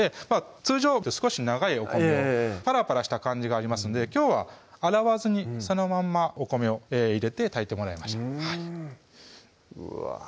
通常は少し長いお米のパラパラした感じがありますんできょうは洗わずにそのまんまお米を入れて炊いてもらいましたうわ